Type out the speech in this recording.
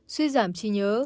xuy giảm trí nhớ